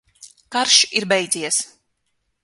Karš ir beidzies!